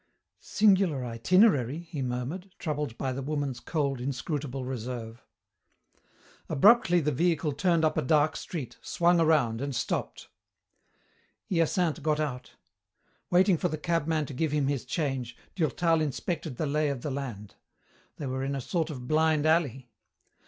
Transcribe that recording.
"Singular itinerary," he murmured, troubled by the woman's cold, inscrutable reserve. Abruptly the vehicle turned up a dark street, swung around, and stopped. Hyacinthe got out. Waiting for the cabman to give him his change, Durtal inspected the lay of the land. They were in a sort of blind alley.